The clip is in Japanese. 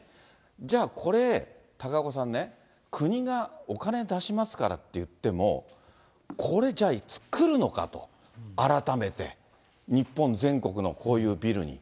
じゃあ、これ、高岡さんね、国がお金出しますからっていっても、これ、じゃあ、作るのかと、改めて、日本全国のこういうビルに。